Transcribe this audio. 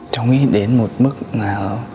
cháu nghĩ đến một mức mà